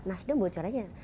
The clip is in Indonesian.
nah sudah bocorannya